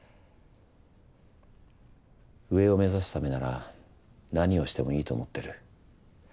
上を目指すためなら何をしてもいいと思ってる。